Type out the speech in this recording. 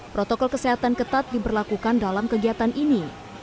protokol kesehatan ketat diberlakukan dalam kegiatan ini